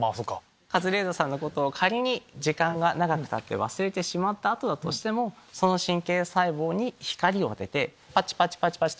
カズレーザーさんのことを仮に時間が長くたって忘れてしまった後だとしてもその神経細胞に光を当ててパチパチパチと。